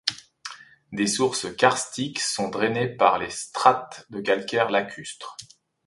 Des sources karstiques sont drainées par les strates de calcaire lacustre.